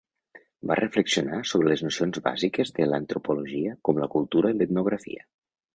Va reflexionar sobre les nocions bàsiques de l'antropologia, com la cultura i l'etnografia.